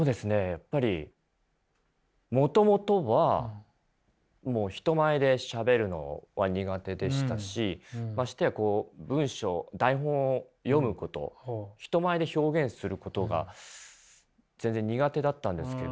やっぱりもともとは人前でしゃべるのは苦手でしたしましてや文章台本を読むこと人前で表現することが全然苦手だったんですけど。